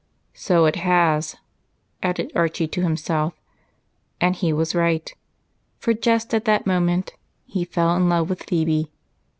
"So it has," added Archie to himself; and he was right, for just at that moment he fell in love with Phebe.